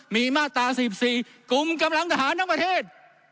มีมาตรา๑๔กลุ่มกำลังทหารทั้งประเทศ